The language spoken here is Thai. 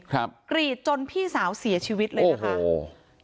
กรีดจนพี่สาวเสียชีวิตเลยนะคะโอ้